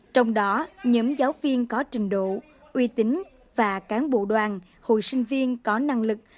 trong đó nhóm giáo viên có trình độ uy tín và cán bộ đoàn hồi sinh viên có năng lực